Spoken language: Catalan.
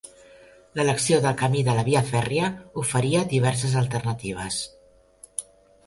L'elecció del camí de la via fèrria oferia diverses alternatives.